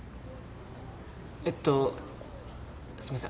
えっとすいません。